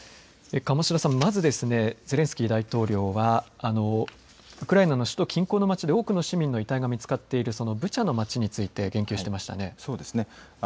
鴨志田さん、まずゼレンスキー大統領はウクライナの首都、近郊の町で多くの市民の遺体が見つかっているブチャの町について言及していましたね。